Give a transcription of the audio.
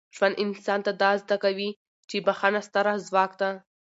ژوند انسان ته دا زده کوي چي بخښنه ستره ځواک ده.